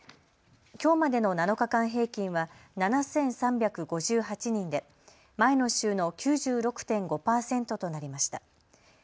きょうまでの７日間平均は７３５８人で、前の週の９６．５％となりました。